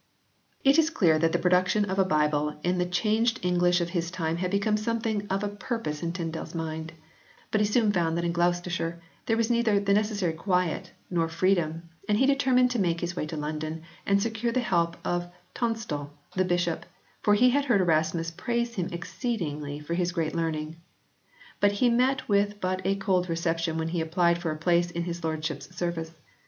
It is clear that the production of a Bible in the changed English of his time had become something of a purpose in Tyndale s mind. But he soon found that in Gloucestershire there was neither the neces sary quiet nor freedom and he determined to make his way to London and secure the help of Tonstal the bishop, for he had heard Erasmus praise him exceed ingly for his great learning. But he met with but a cold reception when he applied for a place in his lordship s service.